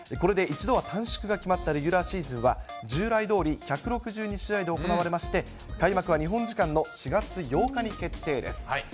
これで一度は短縮が決まったレギュラーシーズンは従来どおり１６２試合で行われまして、開幕は日本時間の４月８日に決定です。